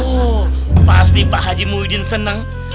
oh pasti pak haji muhydin senang